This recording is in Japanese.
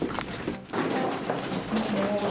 もしもーし。